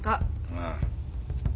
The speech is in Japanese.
ああ。